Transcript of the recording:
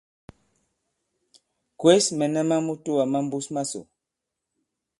Kwěs mɛ̀nɛ ma mutoà ma mbus masò.